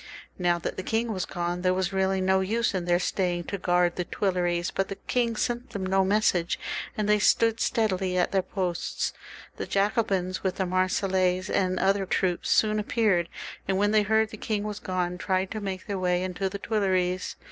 Now that the king was gone, there was really no use in their staying to guard the Tmleries, but the king sent them no message, and they stood steadily at their posts. The Jacobins, with the Marseillese and other troops, soon ap peared, and when they heard the king was gone, tried to make their way into the Tmleries.